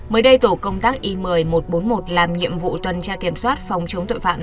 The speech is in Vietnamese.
mới đây tổ công tác i một mươi một trăm bốn mươi một làm nhiệm vụ tuần tra kiểm soát phòng chống tội phạm